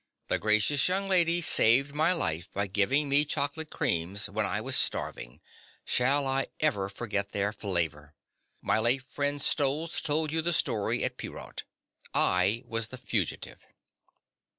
_) The gracious young lady saved my life by giving me chocolate creams when I was starving—shall I ever forget their flavour! My late friend Stolz told you the story at Peerot. I was the fugitive.